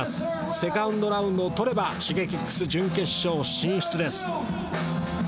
セカンドラウンドをとればＳｈｉｇｅｋｉｘ準決勝進出です。